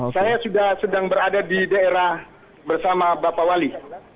saya sudah sedang berada di daerah bersama bapak wali